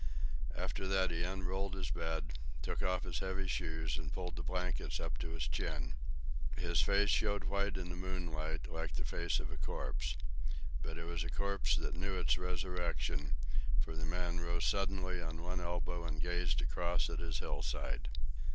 After that he unrolled his bed, took off his heavy shoes, and pulled the blankets up to his chin. His face showed white in the moonlight, like the face of a corpse. But it was a corpse that knew its resurrection, for the man rose suddenly on one elbow and gazed across at his hillside.